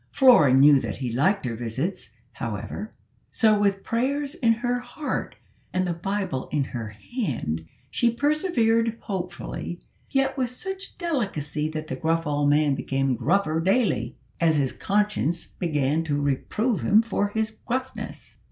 Flora knew that he liked her visits, however; so, with prayers in her heart and the Bible in her hand, she persevered hopefully, yet with such delicacy that the gruff old man became gruffer daily, as his conscience began to reprove him for his gruffness.